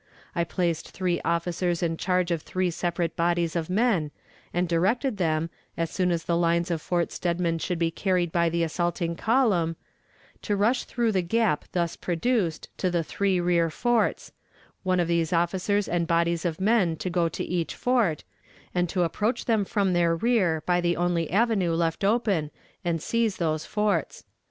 I placed three officers in charge of three separate bodies of men, and directed them, as soon as the lines of Fort Steadman should be carried by the assaulting column, to rush through the gap thus produced to the three rear forts one of these officers and bodies of men to go to each fort, and to approach them from their rear by the only avenue left open and seize those forts.